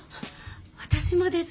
私もですね